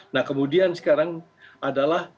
nah kemudian sekarang adalah